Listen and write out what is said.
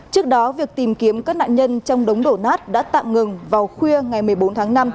trước đó việc tìm kiếm các nạn nhân trong đống đổ nát đã tạm ngừng vào khuya ngày một mươi bốn tháng năm